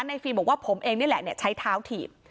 ฟิล์มบอกว่าผมเองนี่แหละใช้เท้าถีบ